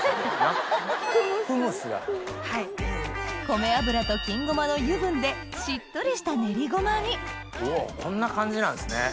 米油と金ごまの油分でしっとりした練りごまにこんな感じなんですね！